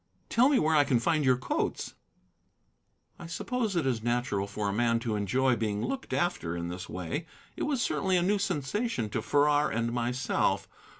"Tell me where I can find your coats." I suppose it is natural for a man to enjoy being looked after in this way; it was certainly a new sensation to Farrar and myself.